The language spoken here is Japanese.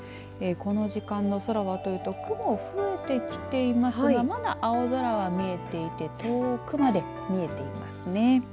この時間の空はというと雲増えてきていますがまだ青空は見えていて遠くまで見えていますね。